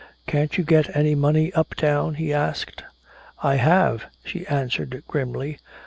"Can't you get any money uptown?" he asked. "I have," she answered grimly.